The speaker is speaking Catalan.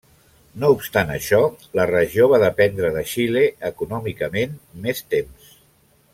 No obstant això, la regió va dependre de Xile econòmicament més temps.